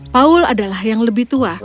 paul adalah yang lebih tua